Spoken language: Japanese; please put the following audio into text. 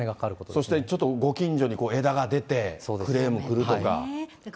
そして、ちょっとご近所に枝が出て、クレームくるとか。